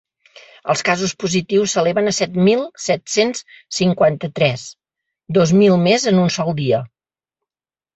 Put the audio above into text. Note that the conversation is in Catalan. Els casos positius s’eleven a set mil set-cents cinquanta-tres, dos mil més en un sol dia.